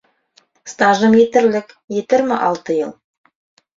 Стажым етерлек - етерме алты йыл.